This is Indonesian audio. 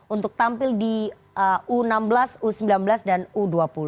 untuk tampil di u enam belas u sembilan belas dan u dua puluh